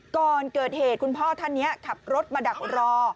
ก่อนเกิดเหตุคุณพ่อท่านนี้ขับรถมาดักรอ